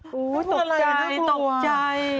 โอ้โหตกใจตกใจ